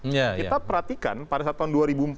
kita perhatikan pada saat tahun dua ribu empat belas